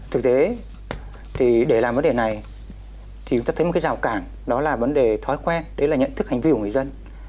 thực tế thì để làm vấn đề này thì chúng ta thấy một cái rào cản đó là vấn đề thói quen đấy là nhận thức hành vi của người dân